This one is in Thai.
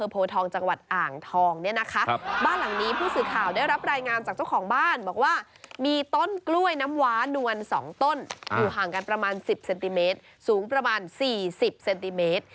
บ้านหลังนี้ผู้สื่อข่าวได้รับรายงานจากเจ้าของบ้านบอกว่ามีต้นกล้วยน้ำว้านวาน๒ต้นอยู่ห่างกันประมาณ๑๐เซนติเมตรสูงประมาณ๔๐เซนติเมตร